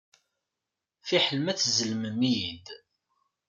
Fiḥel ma tzellmem-iyi-d.